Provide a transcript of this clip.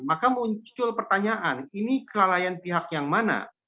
maka muncul pertanyaan ini kelalaian pihak yang mana